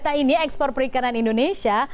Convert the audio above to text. data ini juga ada di data perikanan indonesia